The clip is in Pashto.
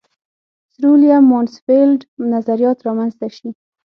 سرویلیم مانسفیلډ نظریات را منځته شي.